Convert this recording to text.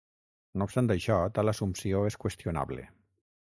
No obstant això tal assumpció és qüestionable.